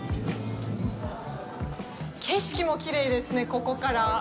景色もきれいですね、ここから。